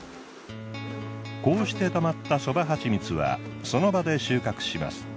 こうして溜まったソバ蜂蜜はその場で収穫します。